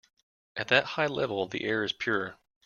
At that high level the air is pure.